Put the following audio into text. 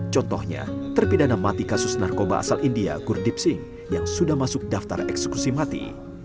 contohnya terpidana mati kasus narkoba asal india gurdipsing yang sudah masuk daftar eksekusi mati